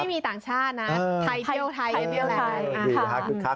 นี่ไม่มีต่างชาตินะไทยเที่ยวไทยกันแหละ